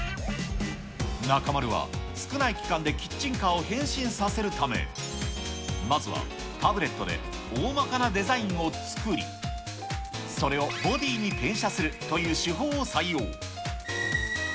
中丸は、少ない期間でキッチンカーを変身させるため、まずはタブレットで大まかなデザインを作り、それをボディーに転写するという手法を採用。